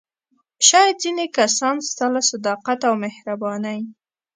شاید ځینې کسان ستا له صداقت او مهربانۍ.